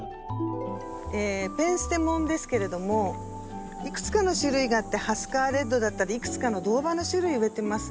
ペンステモンですけれどもいくつかの種類があってハスカーレッドだったりいくつかの銅葉の種類植えてます。